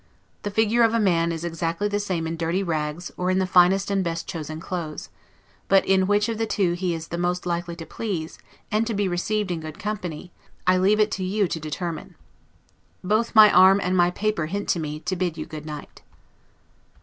The figure of a man is exactly the same in dirty rags, or in the finest and best chosen clothes; but in which of the two he is the most likely to please, and to be received in good company, I leave to you to determine. Both my arm and my paper hint to me, to bid you good night.